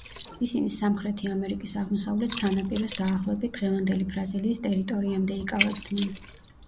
ისინი სამხრეთი ამერიკის აღმოსავლეთ სანაპიროს დაახლოებით დღევანდელი ბრაზილიის ტერიტორიამდე იკავებდნენ.